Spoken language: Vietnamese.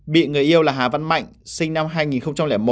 bị người yêu là hà văn mạnh sinh năm hai nghìn một